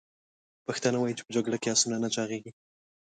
پښتانه وایي: « په جګړه کې اسونه نه چاغیږي!»